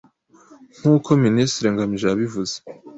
nk’uko Minisitiri Ngamije yabivuze.